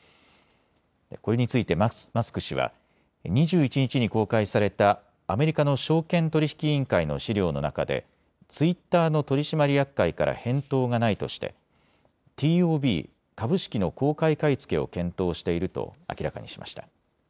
これについてマスク氏は２１日に公開されたアメリカの証券取引委員会の資料の中でツイッターの取締役会から返答がないとしてＴＯＢ・株式の公開買い付けを検討していると明らかにしました。